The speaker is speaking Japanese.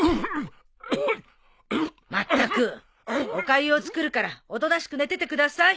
まったくおかゆを作るからおとなしく寝ててください。